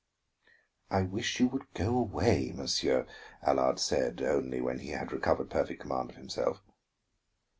"I wish you would go away, monsieur," Allard said only, when he had recovered perfect command of himself.